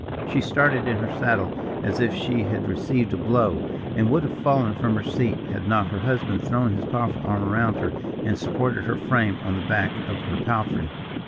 She started in her saddle as if she had received a blow, and would have fallen from her seat had not her husband thrown his powerful arm around her, and supported her frame on the back of her palfrey.